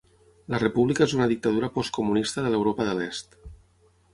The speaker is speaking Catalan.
La república és una dictadura postcomunista de l'Europa de l'Est.